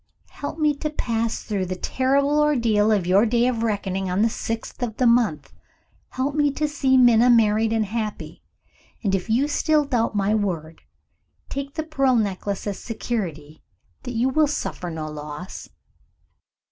Help me to pass through the terrible ordeal of your day of reckoning on the sixth of the month! Help me to see Minna married and happy! And if you still doubt my word, take the pearl necklace as security that you will suffer no loss."